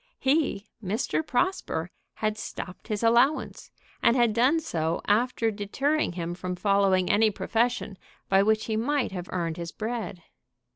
He, Mr. Prosper, had stopped his allowance, and had done so after deterring him from following any profession by which he might have earned his bread.